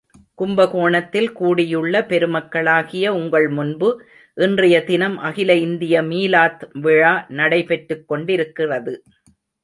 கும்பகோணத்தில் கூடியுள்ள பெருமக்களாகிய உங்கள் முன்பு, இன்றைய தினம் அகில இந்திய மீலாத் விழா நடைபெற்றுக் கொண்டிருக்கிறது.